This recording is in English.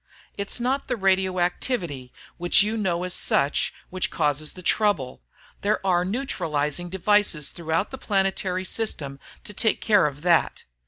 It's not the radioactivity which you know as such which causes the trouble there are neutralizing devices throughout the planetary system to take care of that.